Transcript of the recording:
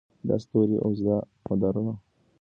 دا ستوري اوږده مدارونه په لمریز نظام کې تعقیبوي.